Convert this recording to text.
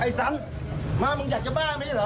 สันมามึงอยากจะบ้าไม่ใช่เหรอ